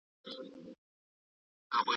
مذهبي لږکي باید تر ساتني لاندي وي.